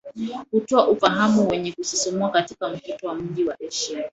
Hutoa ufahamu wenye kusisimua katika mvuto wa mji wa Asia